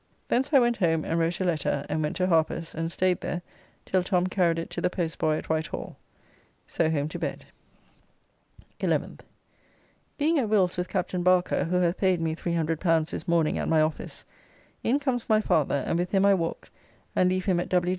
Thence I went home and wrote a letter, and went to Harper's, and staid there till Tom carried it to the postboy at Whitehall. So home to bed. 11th. Being at Will's with Captain Barker, who hath paid me L300 this morning at my office, in comes my father, and with him I walked, and leave him at W.